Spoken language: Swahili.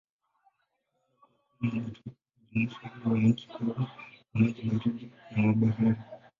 Neno konokono linatumika kujumuisha wale wa nchi kavu, wa maji baridi na wa bahari.